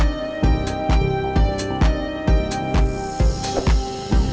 di luar biasa jatuh bang duk